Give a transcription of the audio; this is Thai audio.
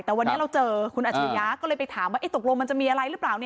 แต่วันนี้เราเจอคุณอัจฉริยะก็เลยไปถามว่าตกลงมันจะมีอะไรหรือเปล่า